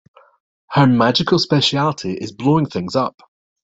Her magical specialty is blowing things up.